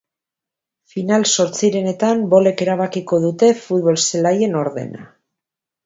Final-zortzirenetan bolek erabakiko dute futbol-zelaien ordena.